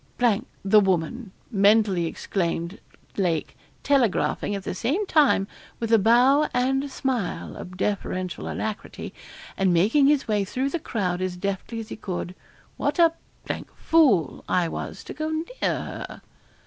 ' the woman,' mentally exclaimed Lake, telegraphing, at the same time, with a bow and a smile of deferential alacrity, and making his way through the crowd as deftly as he could; what a fool I was to go near her.'